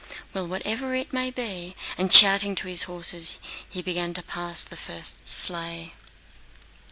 Well, whatever it may be..." And shouting to his horses, he began to pass the first sleigh.